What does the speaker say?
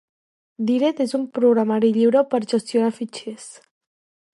Dired és un programari lliure per gestionar fitxers.